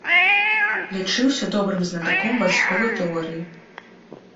Лічыўся добрым знатаком вайсковай тэорыі.